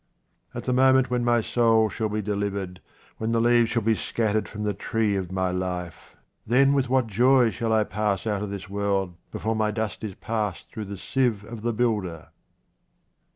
At the moment when my soul shall be delivered, when the leaves shall be scattered from the tree of my life, then with what joy shall I pass out of this world before my dust is passed through the sieve of the builder